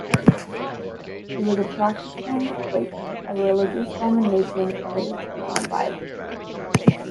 She was a practising Quaker, a religious denomination committed to non-violence.